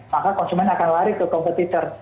maka konsumen akan lari ke kompetitor